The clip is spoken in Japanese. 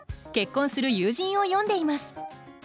結婚する友人を詠んでいます。